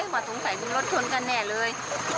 ว่าสงสัยมึงรถชนกันแน่เลย